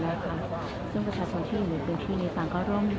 มันเป็นสิ่งที่จะให้ทุกคนรู้สึกว่ามันเป็นสิ่งที่จะให้ทุกคนรู้สึกว่า